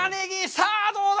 さあどうだ！